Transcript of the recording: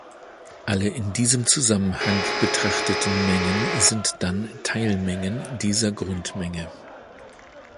Alle in diesem Zusammenhang betrachteten Mengen sind dann Teilmengen dieser Grundmenge.